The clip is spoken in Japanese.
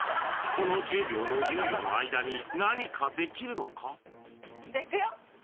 この１０秒の猶予の間に何かできるのか？